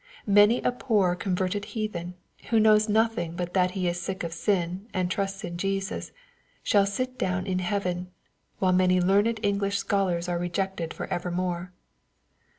Many a poor converted heathen, who knows nothing but that he is sick of sin, and trusts in Jesus, shall sit down in heaven, whUe many learned English scholars are rejected for evermore.